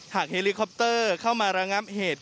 หากเพลงเข้ามาระงับเหตุ